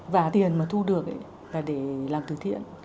và tiền mà thu được ấy là để làm từ thiện